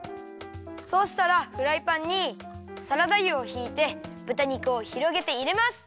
そうしたらフライパンにサラダ油をひいてぶた肉をひろげていれます！